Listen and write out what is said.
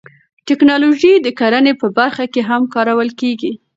تکنالوژي د کرنې په برخه کې هم کارول کیږي.